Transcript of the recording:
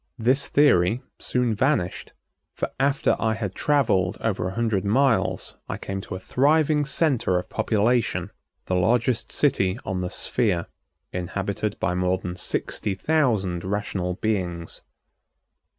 This theory soon vanished, for after I had traveled over a hundred miles I came to a thriving center of population, the largest city on the sphere, inhabited by more than sixty thousand rational beings.